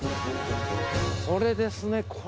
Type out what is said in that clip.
これですね。